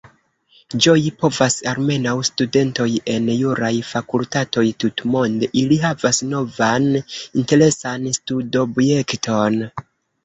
Ĝoji povas almenaŭ studentoj en juraj fakultatoj tutmonde: ili havas novan interesan studobjekton.